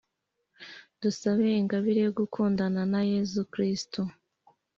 dusabe ingabire yo gukundana, na yezu kristu